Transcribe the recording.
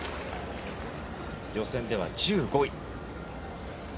予選では１５位。